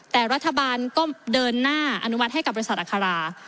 แต่รัฐบาลก็เดินหน้าอนุมัติให้กับบริษัทอัครา